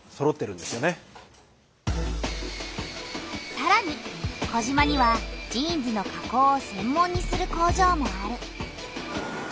さらに児島にはジーンズの加工を専門にする工場もある。